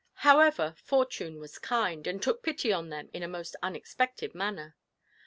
However, Fortune was kind, and took pity on them in a most unexpected manner.